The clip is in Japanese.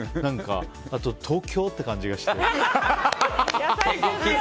あと、東京！って感じがして。